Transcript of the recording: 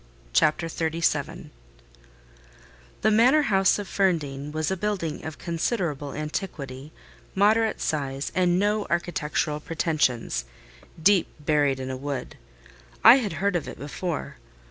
CHAPTER XXXVII The manor house of Ferndean was a building of considerable antiquity, moderate size, and no architectural pretensions, deep buried in a wood. I had heard of it before.